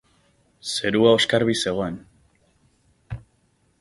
Zerua oskarbi zegoen.